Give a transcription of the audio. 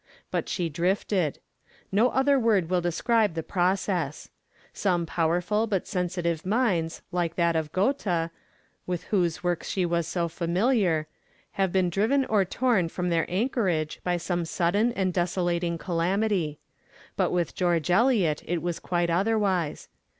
But she drifted. No other word will describe the process. Some powerful but sensitive minds, like that of Goethe with whose works she was so familiar have been driven or torn from their anchorage by some sudden and desolating calamity; but with George Eliot it was quite otherwise.